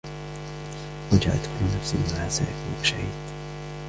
وَجَاءَتْ كُلُّ نَفْسٍ مَعَهَا سَائِقٌ وَشَهِيدٌ